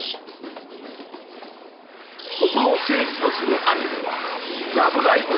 ここを聖地とするアニメは「ラブライブ！